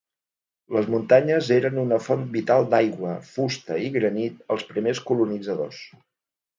Les muntanyes eren una font vital d'aigua, fusta i granit als primers colonitzadors.